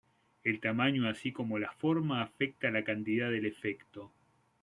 El tamaño así como la forma afecta la cantidad del efecto.